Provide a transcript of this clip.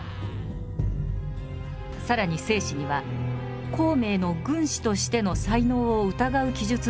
更に「正史」には孔明の軍師としての才能を疑う記述まであります。